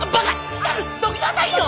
光どきなさいよ！